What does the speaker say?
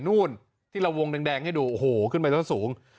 นู่นที่เราวงแดงให้ดูโอ้โหขึ้นไปต้นสูง